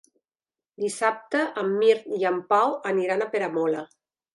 Dissabte en Mirt i en Pau aniran a Peramola.